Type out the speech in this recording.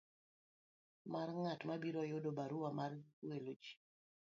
mar ng'at mabiro yudo barua mar gwelo ji.